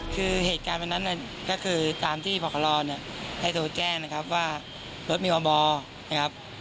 คือเหตุการณ์วันนั้นก็คือตามที่พรให้ถูกแจ้งว่ารถมีว่าบอ